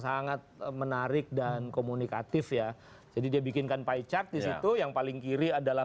sangat menarik dan komunikatif ya jadi dia bikinkan pie chart disitu yang paling kiri adalah